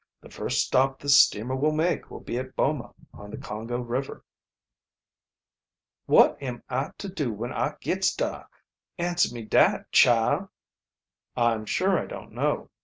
The first stop this steamer will make will be at Boma on the Congo River." "'Wot am I to do when I gits dar? answer me dat, chile." "I'm sure I don't know.